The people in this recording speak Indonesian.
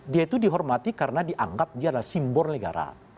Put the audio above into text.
dia itu dihormati karena dianggap dia adalah simbol negara